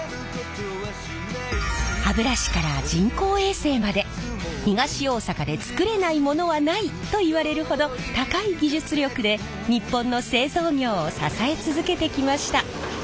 歯ブラシから人工衛星まで東大阪で作れないものはないといわれるほど高い技術力で日本の製造業を支え続けてきました。